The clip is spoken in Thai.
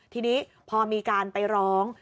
ทีนี้พอมีการไปร้อง